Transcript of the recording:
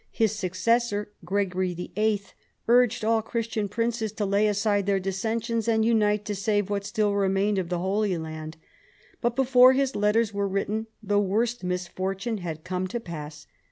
His successor, Gregory II THE BEGINNINGS OF PHILIPS POWER 45 VIII. , urged all Christian princes to lay aside their dissensions and unite to save what still remained of the Holy Land. But before his letters were written the worst misfortunes had come to pass.